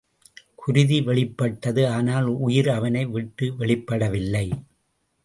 குருதி வெளிப்பட்டது ஆனால் உயிர் அவனை விட்டு வெளிப் படவில்லை.